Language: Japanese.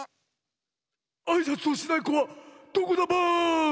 ・あいさつをしないこはどこだバーン！